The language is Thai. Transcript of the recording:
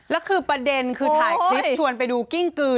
แล้วคือประเด็นคือถ่ายคลิปชวนไปดูกิ้งกือ